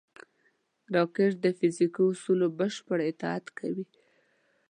راکټ د فزیکي اصولو بشپړ اطاعت کوي